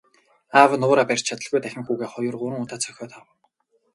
Аав нь уураа барьж чадалгүй дахин хүүгээ хоёр гурван удаа цохиод авав.